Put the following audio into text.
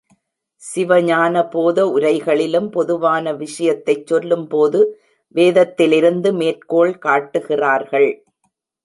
சிவஞானபோத உரைகளிலும் பொதுவான விஷயத்தைச் சொல்லும்போது வேதத்திலிருந்து மேற்கோள் காட்டுகிறார்கள்.